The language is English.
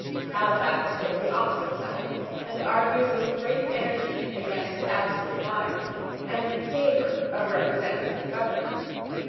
Halifax took the opposite side, and argued with great energy against absolute monarchy, and in favour of representative government.